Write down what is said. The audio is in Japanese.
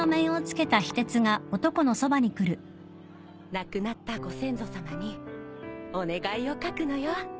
亡くなったご先祖さまにお願いを書くのよ。